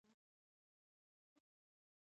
د اقتصادي انحصار په زیاتیدو سره حاکمیت کمیږي